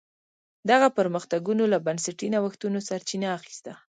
دغه پرمختګونو له بنسټي نوښتونو سرچینه اخیسته.